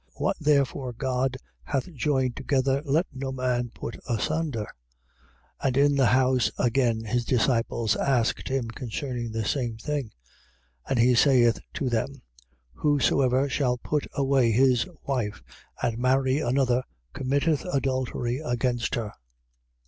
10:9. What therefore God hath joined together, let no man put asunder. 10:10. And in the house again his disciples asked him concerning the same thing. 10:11. And he saith to them: Whosoever shall put away his wife and marry another committeth adultery against her.